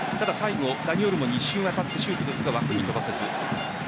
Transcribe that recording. ダニ・オルモに一瞬当たってシュートですが枠に飛ばせず。